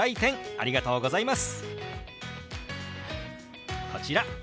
ありがとうございます。